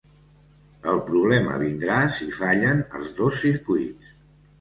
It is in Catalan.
El problema vindrà si fallen els dos circuits.